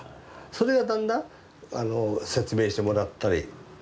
それがだんだん説明してもらったりして。